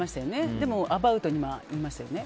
でもアバウトに言いましたよね。